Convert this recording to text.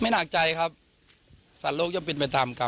ไม่หนักใจครับสรรโลกยกเป็นเป็นตามกรรม